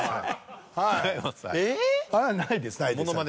はいあれはないです。